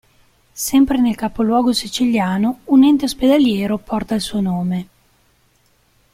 Sempre nel capoluogo siciliano un ente ospedaliero porta il suo nome.